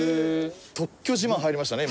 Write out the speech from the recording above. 特許自慢入りましたね